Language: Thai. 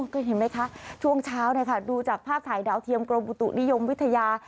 ก็เห็นไหมคะช่วงเช้าดูจากภาพถ่ายดาวเทียมกรมอุตุนิยมวิทยา